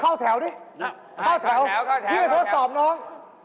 เข้าแถวดิเข้าแถวพี่ไปทดสอบน้อง